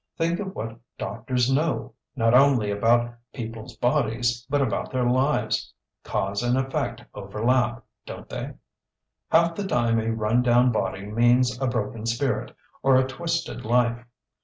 Think of what doctors know not only about people's bodies, but about their lives. Cause and effect overlap don't they? Half the time a run down body means a broken spirit, or a twisted life.